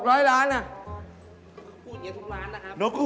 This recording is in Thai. พูดอย่างนี้ทุกร้านนะครับ